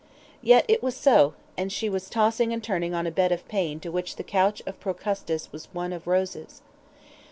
Yet it was so, and she was tossing and turning on a bed of pain to which the couch of Procustes was one of roses.